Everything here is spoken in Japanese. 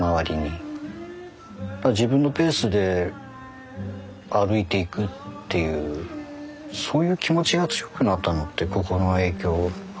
やっぱ自分のペースで歩いていくっていうそういう気持ちが強くなったのってここの影響あると思いますね。